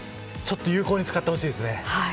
有効に使ってほしいですね。